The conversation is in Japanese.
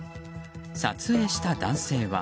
撮影した男性は。